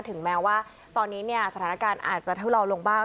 ถึงแม้ว่าตอนนี้เนี่ยสถานการณ์อาจจะเท่าเลาลงบ้าง